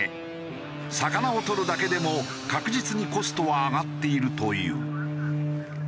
魚をとるだけでも確実にコストは上がっているという。